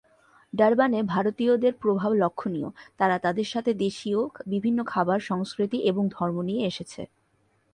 ডারবানে ভারতীয়দের প্রভাব লক্ষণীয়, তারা তাদের সাথে দেশীয় বিভিন্ন খাবার, সংস্কৃতি এবং ধর্ম নিয়ে এসেছে।